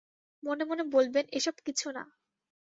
মনেমনে বলবেন, এসব কিছু না।